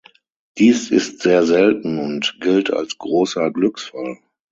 Dies ist sehr selten und gilt als großer Glücksfall.